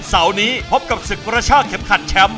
เสาร์นี้พบกับศึกกระชากเข็มขัดแชมป์